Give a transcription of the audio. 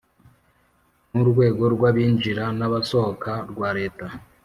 n’urwego rw’abinjira n’abasohoka rwa leta.